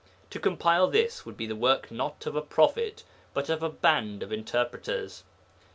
To compile this would be the work not of a prophet, but of a band of interpreters.